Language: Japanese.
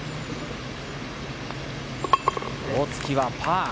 大槻はパー。